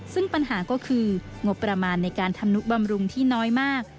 ซึ่งปัญหาก็คืองบประมาณในการทำนุบำรุงที่น้อยมาก